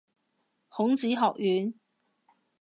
孔子學院